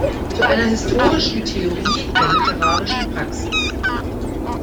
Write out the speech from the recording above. Zu einer historischen Theorie der literarischen Praxis.